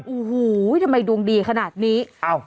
โอ้โหทำไมดวงดีขนาดนี้